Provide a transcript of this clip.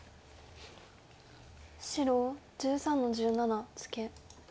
白１３の十七ツケ。